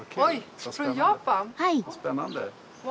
はい。